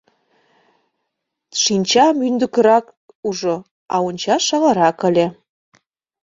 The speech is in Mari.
Шинча мӱндыркырак ужо, а ончаш шагалрак ыле.